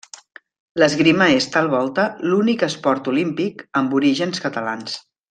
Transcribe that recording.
L'esgrima és, tal volta, l'únic esport olímpic amb orígens catalans.